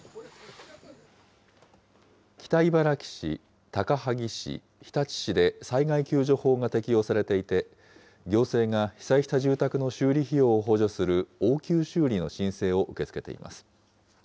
北茨城市、高萩市、日立市で災害救助法が適用されていて、行政が被災した住宅の修理費用を補助する応急修理の申請を受け付けています。